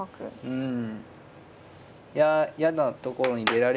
うん。